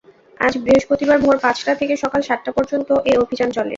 আজ বৃহস্পতিবার ভোর পাঁচটা থেকে সকাল সাতটা পর্যন্ত এ অভিযান চলে।